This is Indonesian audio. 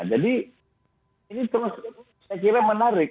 jadi ini terus menarik